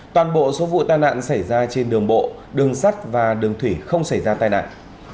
toàn bộ số vụ tai nạn xảy ra trên đường bộ đường sắt và đường thủy không xảy ra tai nạn